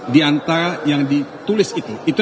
di antara yang ditulis itu